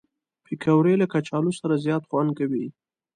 پکورې له کچالو سره زیات خوند کوي